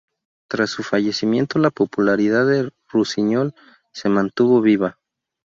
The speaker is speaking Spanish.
Tras su fallecimiento la popularidad de Rusiñol se mantuvo viva.